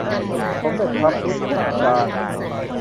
สมเด็จพระพุฒาจารย์